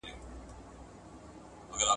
یا پیسې واخله یا غلام بیرته ستا دی.